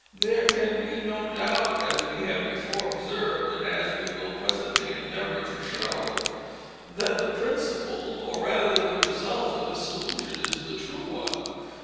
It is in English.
There can be no doubt, as we have before observed, and as we will presently endeavor to show, that the principle, or rather the result, of this solution is the true one.